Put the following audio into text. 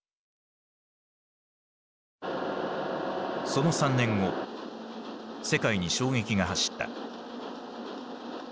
その３年後世界に衝撃が走った。